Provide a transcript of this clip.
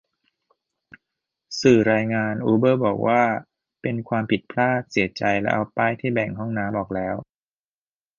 สื่อรายงาน อูเบอร์บอกว่าเป็นความผิดพลาด เสียใจ และเอาป้ายที่แบ่งห้องน้ำออกแล้ว